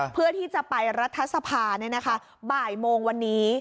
เพื่อที่จะไปรัฐสภาบ่ายโมงวันนี้